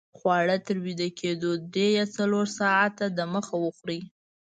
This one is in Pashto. خواړه تر ویده کېدو درې یا څلور ساته دمخه وخورئ